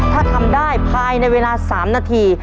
ถ้าทำได้ภายในเวลา๓นาที